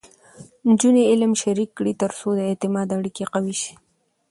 نجونې علم شریک کړي، ترڅو د اعتماد اړیکې قوي شي.